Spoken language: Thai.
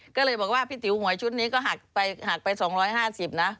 ก็เลยบอกว่าพี่ติ๋วหวยชุดนี้ก็หักไป๒๕๐นะ